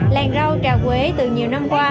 làng rau trà quế từ nhiều năm qua